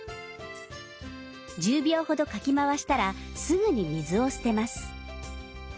１０秒ほどかき回したらすぐに水を捨てます。